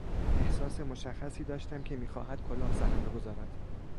احساس مشخصی داشتم که میخواهد کلاه سرم بگذارد.